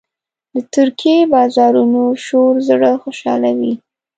د ترکي بازارونو شور زړه خوشحالوي.